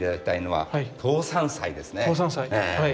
はい。